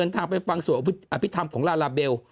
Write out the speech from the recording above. ทำให้ฟังส่วนอภิกษ์ธรรมของลาลาเบล